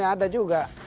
visi misi negara juga